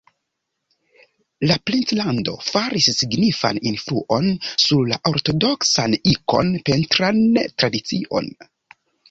La princlando faris signifan influon sur la ortodoksan ikon-pentran tradicion.